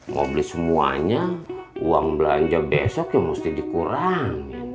mau beli semuanya uang belanja besok ya mesti dikurang